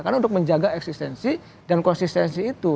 karena untuk menjaga eksistensi dan konsistensi itu